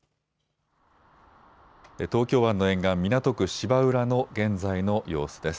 東京湾の沿岸、港区芝浦の現在の様子です。